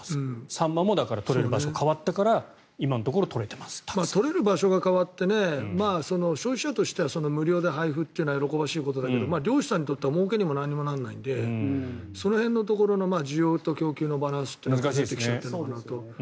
サンマも取れる場所が変わったから取れる場所が変わって消費者としては、無料で配布というのは喜ばしいけど漁師さんにとってはもうけにも何もならないのでその辺の需要と供給のバランスが出てきているのかなと。